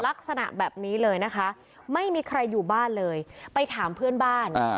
ลักษณะแบบนี้เลยนะคะไม่มีใครอยู่บ้านเลยไปถามเพื่อนบ้าน